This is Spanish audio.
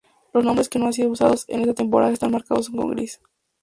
Los nombres que no han sido usados en esta temporada están marcados con gris.